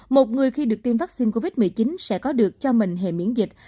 một người khi được tiêm vaccine covid một mươi chín sẽ có được cho mình hệ miễn dịch